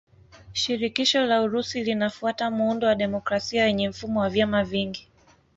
Shirikisho la Urusi linafuata muundo wa demokrasia yenye mfumo wa vyama vingi.